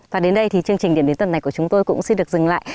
và đến đây thì chương trình điểm đến tuần này của chúng tôi cũng xin được dừng lại